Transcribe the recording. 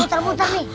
ada muter muter nih